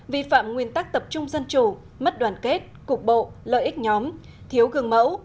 vi phạm nguyên tắc tập trung dân chủ mất đoàn kết cục bộ lợi ích nhóm thiếu gương mẫu